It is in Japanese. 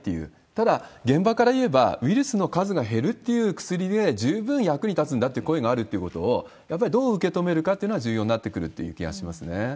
ただ、現場からいえば、ウイルスの数が減るっていう薬で十分役に立つんだって声があるっていうことを、やっぱりどう受け止めるかというのが重要になってそうですね。